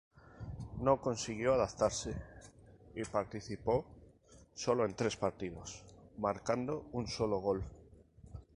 No consiguió adaptarse y participó solo en tres partidos, marcando un solo gol.